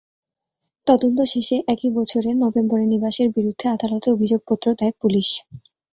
তদন্ত শেষে একই বছরের নভেম্বরে নিবাসের বিরুদ্ধে আদালতে অভিযোগপত্র দেয় পুলিশ।